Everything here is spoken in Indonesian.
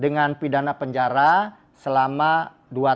dengan pidana penjara selama dua tahun